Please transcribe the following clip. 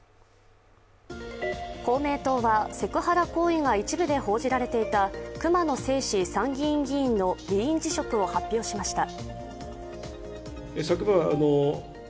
公明党はセクハラ行為が一部で報じられていた熊野正士参議院議員の議員辞職を発表しました。